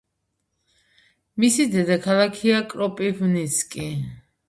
მისი დედაქალაქია კროპივნიცკი.